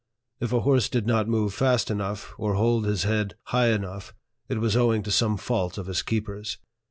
If a horse did not move fast enough, or hold his head high enough, it was owing to some fault of his keepers.